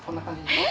えっ？